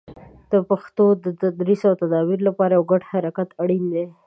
د پښتو د تدریس او تدابیر لپاره یو ګډ حرکت اړین دی.